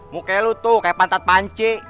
muka lu tuh kayak pantat panci